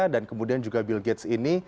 dan kemudian juga bill gates ini